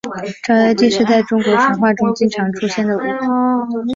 照妖镜是在中国神话中经常出现的物品。